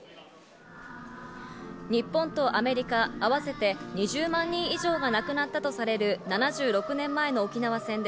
日本とアメリカ、あわせて２０万人以上が亡くなったとされる７６年前の沖縄戦で